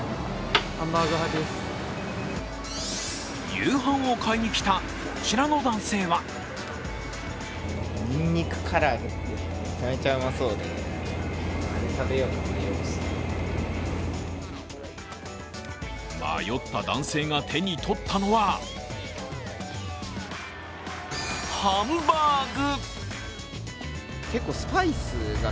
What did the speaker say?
夕飯を買いに来たこちらの男性は迷った男性が手に取ったのはハンバーグ。